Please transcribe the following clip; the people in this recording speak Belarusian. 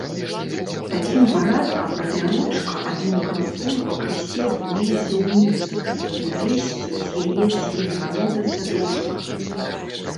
Такім парадкам папярочка адным канцом пакрысе гнулася ўніз, і нарэшце з яе слізганулася дошка.